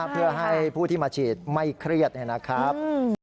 เพื่อให้ผู้ที่มาฉีดไม่เครียดนะครับ